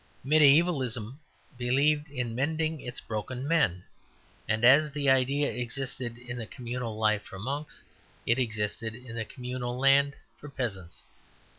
Mediævalism believed in mending its broken men; and as the idea existed in the communal life for monks, it existed in the communal land for peasants.